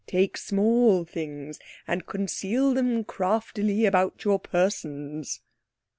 Take small things and conceal them craftily about your persons."